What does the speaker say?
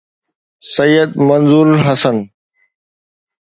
Syed Manzoor ul Hassan